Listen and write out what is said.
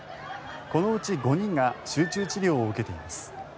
このうち５人が集中治療を受けています。